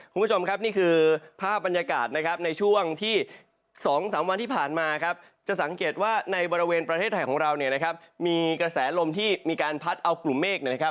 คุณผู้ชมครับนี่คือภาพบรรยากาศนะครับในช่วงที่๒๓วันที่ผ่านมาครับจะสังเกตว่าในบริเวณประเทศไทยของเราเนี่ยนะครับมีกระแสลมที่มีการพัดเอากลุ่มเมฆนะครับ